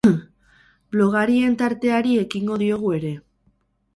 Blogarien tarteari ekingo diogu ere.